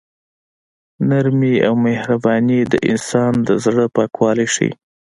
نرمي او مهرباني د انسان د زړه پاکوالی ښيي.